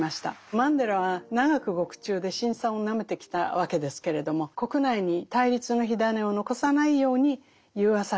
マンデラは長く獄中で辛酸をなめてきたわけですけれども国内に対立の火種を残さないように融和策を推し進める道を選んだわけです。